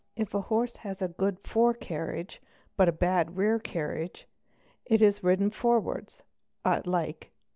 If the horse has a good fore carriage, but a bad rear carriage, 1t ridden forwards, i.e.